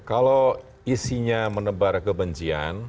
kalau isinya menebar kebencian